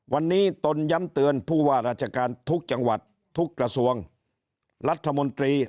วันนี้ตนย้ำเตือนผู้ว่าราชการทุกจังหวัดทุกกระทรวงรัฐมนตรี